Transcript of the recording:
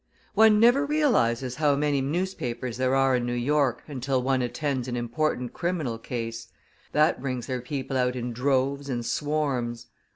One never realizes how many newspapers there are in New York until one attends an important criminal case that brings their people out in droves and swarms.